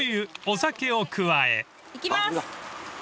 お酒を加え］いきます。